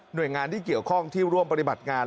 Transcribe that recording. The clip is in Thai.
โดยงานที่เกี่ยวข้องที่ร่วมปฏิบัติงาน